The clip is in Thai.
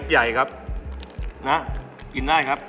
ใหญ่ครับนะกินได้ครับ